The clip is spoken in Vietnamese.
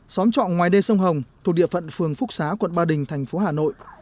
xóm trọ ngoài đê sông hồng thuộc địa phận phường phúc xá quận ba đình thành phố hà nội